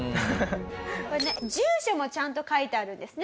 これね住所もちゃんと書いてあるんですね。